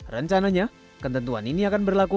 rencananya ketentuan ini akan berlaku